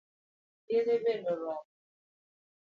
Yedhe bende oromo?